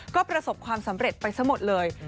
ก็ประสบความสำเร็จไปซะหมดเลย